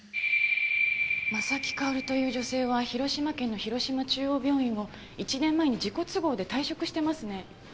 真崎薫という女性は広島県の広島中央病院を１年前に自己都合で退職していますね。